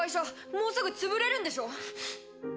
もうすぐ潰れるんでしょ？